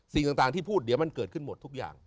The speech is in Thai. สิ่งต่างที่พูดเดี๋ยวมันเกิดขึ้นหมดทุกอย่าง